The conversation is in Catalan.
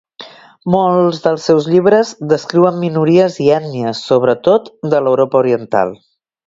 Molts dels seus llibres descriuen minories i ètnies, sobretot de l'Europa oriental.